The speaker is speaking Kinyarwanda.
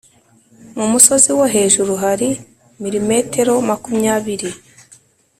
mu musozi wo hejuru hari milimetero makumyabiri